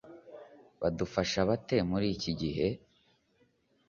badufasha bate muri iki gihe?